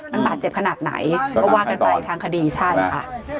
มันบาดเจ็บขนาดไหนก็ว่ากันไปทางคดีใช่ค่ะ